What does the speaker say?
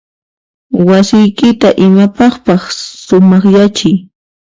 Wasiykita imapaqpas sumaqyachiy.